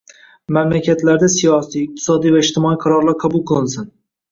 Mamlakatlarda siyosiy, iqtisodiy va ijtimoiy qarorlar qabul qilinsin